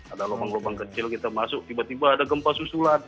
ada lubang lubang kecil kita masuk tiba tiba ada gempa susulan